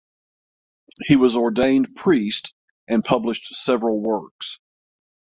He was ordained priest and published several works.